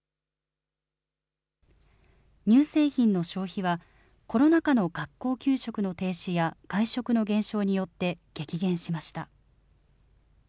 乳製品の消費は、コロナ禍の学校給食の停止や外食の減少によって激減しました。